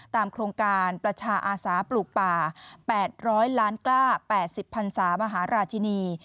โครงการประชาอาสาปลูกป่า๘๐๐ล้านกล้า๘๐พันศามหาราชินี